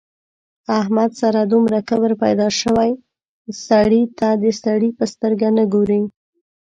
احمد سره دومره کبر پیدا شوی سړي ته د سړي په سترګه نه ګوري.